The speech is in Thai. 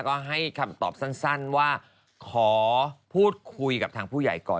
ก็ให้คำตอบสั้นว่าขอพูดคุยกับทางผู้ใหญ่ก่อน